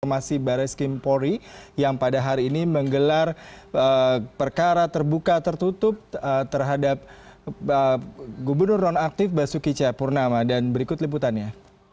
informasi baris kim pori yang pada hari ini menggelar perkara terbuka tertutup terhadap gubernur non aktif basuki cahapurnama dan berikut liputannya